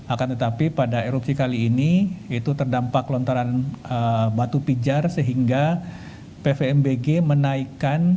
akan tetapi pada erupsi kali ini itu terdampak lontaran batu pijar sehingga pvmbg menaikkan